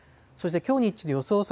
そしてきょう日中の予想